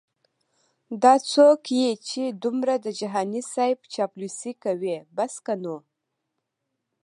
دا څوک یې چې دمره د جهانې صیب چاپلوسې کوي بس که نو